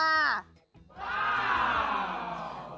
ภาพ